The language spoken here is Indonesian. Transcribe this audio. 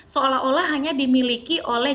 seolah olah hanya dimiliki oleh